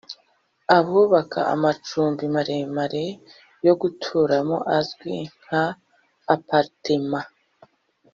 abubaka amacumbi maremare yo guturamo azwi nka appartement